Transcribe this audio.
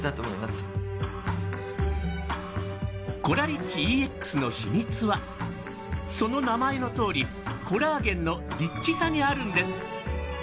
コラリッチＥＸの秘密はその名前のとおりコラーゲンのリッチさにあるんです。